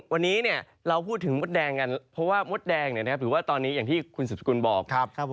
วันนี้เนี่ยเราพูดถึงมดแดงกันเพราะว่ามดแดงกันตอนนี้คืออย่างที่คุณสุดขุมบอก